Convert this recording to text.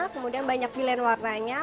kemudian banyak pilihan warnanya